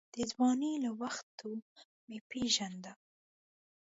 د ځوانۍ له وختو مې پېژاند.